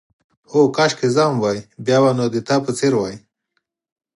هو، کاشکې زه هم وای، بیا به نو ستا په څېر وای.